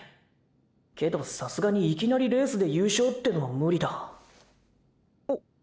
けどさすがにいきなりレースで優勝ってのはムリだあ。